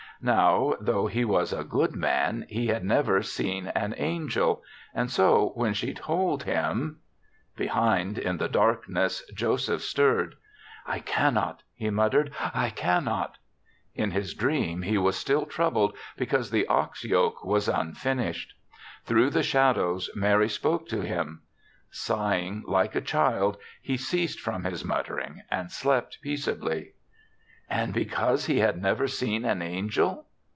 Now, though he was a good man, he had never seen an angel; and so, when she told him '' Behind, in the darkness, Joseph stirred. "I cannot, he muttered; ''I cannot.*' In his dreams he was 26 THE SEVENTH CHRISTMAS still troubled because the ox yoke was unfinished. Through the shad ows Mary spoke to him. Sighing like a child, he ceased from his mut tering and slept peaceably. "And because he had never seen an angel?"